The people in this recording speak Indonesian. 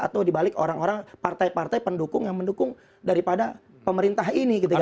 atau di balik orang orang partai partai pendukung yang mendukung daripada pemerintah ini ketika itu